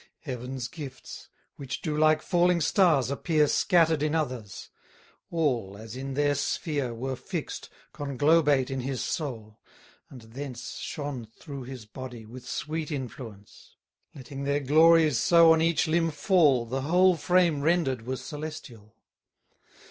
Heaven's gifts, which do like falling stars appear Scatter'd in others; all, as in their sphere, Were fix'd, conglobate in his soul; and thence Shone through his body, with sweet influence; Letting their glories so on each limb fall, The whole frame render'd was celestial.